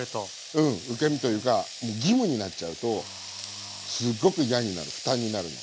うん受け身というか義務になっちゃうとすごく嫌になる負担になるの。